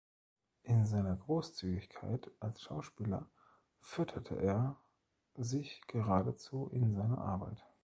In seiner Großzügigkeit als Schauspieler fütterte er sich geradezu in seine Arbeit.